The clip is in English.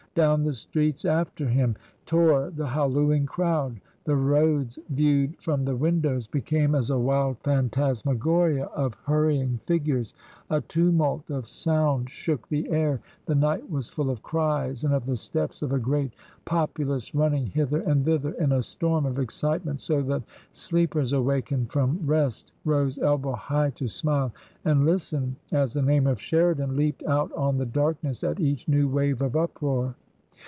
Down the streets after him tore the hallooing crowd — the roads viewed from the windows became as a wild phantasmagoria of hurrying figures ; a tumult of sound shook the air ; the night was full of cries and of the steps of a great popu lace running hither and thither in a storm of excitement, so that sleepers awakened from rest rose elbow high to smile and listen as the name of " Sheridan" leapt out on the darkness at each new wave of uproar.